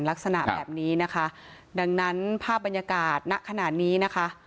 ลักษณะแบบนี้นะคะดังนั้นภาพบรรยากาศณขนาดนี้นะคะ